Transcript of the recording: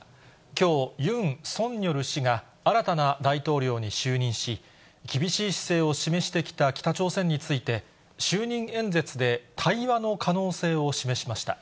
きょう、ユン・ソンニョル氏が新たな大統領に就任し、厳しい姿勢を示してきた北朝鮮について、就任演説で対話の可能性を示しました。